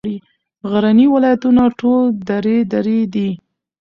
غرني ولایتونه ټول درې درې دي.